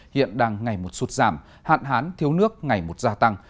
hiện đang ngày một sụt giảm hạn hán thiếu nước ngày một gia tăng